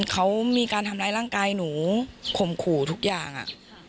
เขามีการทำร้ายร่างกายหนูข่มขู่ทุกอย่างอ่ะ